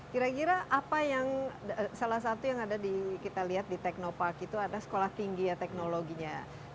kira kira apa yang salah satu yang ada di kita lihat di teknopark itu ada sekolah tinggi ya teknologinya